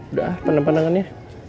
udah ah pandang pandangannya